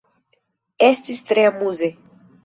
Estis tre amuze!